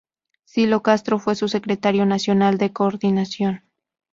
Silo Castro fue su secretario nacional de coordinación.